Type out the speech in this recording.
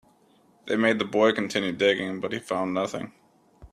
They made the boy continue digging, but he found nothing.